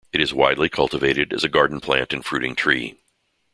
It is widely cultivated as a garden plant and fruiting tree.